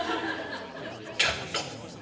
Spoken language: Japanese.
「チャット？